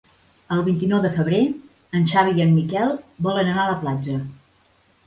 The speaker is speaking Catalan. El vint-i-nou de febrer en Xavi i en Miquel volen anar a la platja.